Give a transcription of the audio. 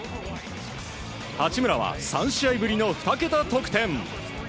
八村は３試合ぶりの２桁得点。